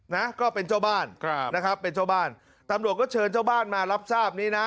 นะก็เป็นเจ้าบ้านครับนะครับเป็นเจ้าบ้านตำรวจก็เชิญเจ้าบ้านมารับทราบนี้นะ